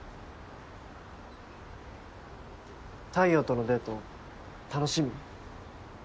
太陽とのデート楽しみ？